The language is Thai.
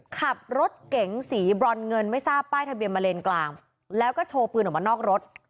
ขับรถเก๋งสีบรอนเงินไม่ทราบป้ายทะเบียนมาเลนกลางแล้วก็โชว์ปืนออกมานอกรถ